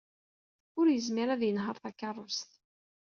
Ur yezmir ad yenheṛ takeṛṛust.